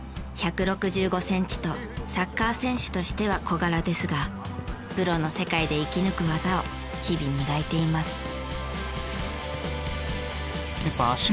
１６５センチとサッカー選手としては小柄ですがプロの世界で生き抜く技を日々磨いています。